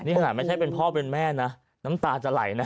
นี่ขนาดไม่ใช่เป็นพ่อเป็นแม่นะน้ำตาจะไหลนะ